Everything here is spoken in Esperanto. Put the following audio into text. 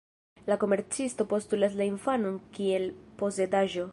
La komercisto postulas la infanon kiel posedaĵo.